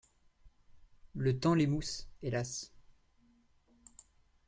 Le temps l'émousse, hélas!